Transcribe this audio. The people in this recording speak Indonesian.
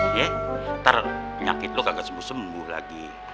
ntar penyakit lo gak sembuh sembuh lagi